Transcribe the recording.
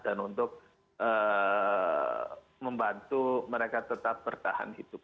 untuk membantu mereka tetap bertahan hidup